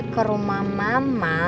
ke rumah mama